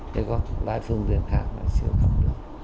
nếu có lái phương tiện khác là chưa cấm được